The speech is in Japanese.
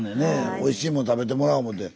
おいしいもん食べてもらおう思て。